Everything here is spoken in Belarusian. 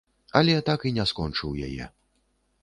Але так і не скончыў яе.